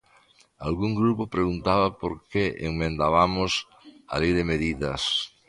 Algún grupo preguntaba por que emendabamos a Lei de medidas.